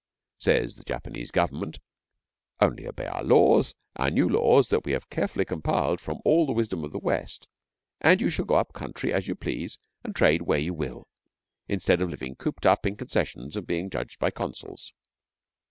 Says the Japanese Government, 'Only obey our laws, our new laws that we have carefully compiled from all the wisdom of the West, and you shall go up country as you please and trade where you will, instead of living cooped up in concessions and being judged by consuls.